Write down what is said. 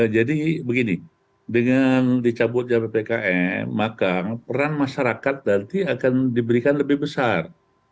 jadi begini dengan dicabut jppkm maka peran masyarakat nanti akan diberikan lebih besar